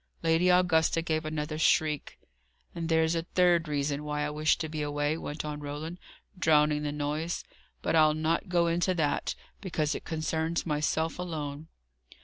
Lady Augusta gave another shriek. "And there's a third reason why I wish to be away," went on Roland, drowning the noise. "But I'll not go into that, because it concerns myself alone."